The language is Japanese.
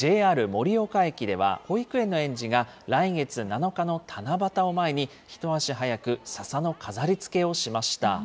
ＪＲ盛岡駅では、保育園の園児が、来月７日の七夕を前に、一足早く、ささの飾りつけをしました。